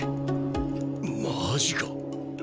マジか。